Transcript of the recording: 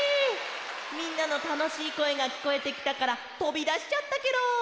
みんなのたのしいこえがきこえてきたからとびだしちゃったケロ！